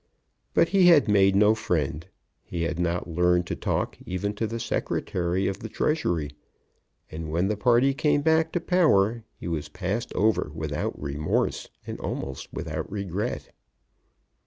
But he had made no friend, he had not learned to talk even to the Secretary of the Treasury; and when the party came back to power he was passed over without remorse, and almost without a regret.